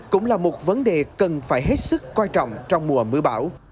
cũng là một vấn đề cần phải hết sức quan trọng trong mùa mưa bão